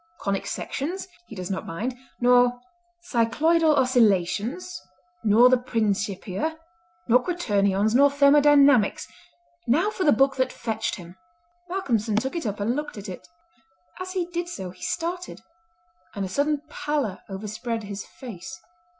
"Conic Sections he does not mind, nor Cycloidal Oscillations, nor the Principia, nor Quaternions, nor Thermodynamics. Now for the book that fetched him!" Malcolmson took it up and looked at it. As he did so he started, and a sudden pallor overspread his face.